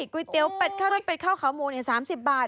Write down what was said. ก๋วยเตี๋ยวเป็ดข้าวขาหมู๓๐บาท